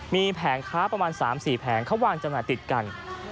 มีแผงค้าประมาณ๓๔แผงเขาวางจำหน่ายติดกัน